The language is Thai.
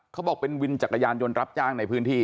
เขาบอกเป็นวินจักรยานยนต์รับจ้างในพื้นที่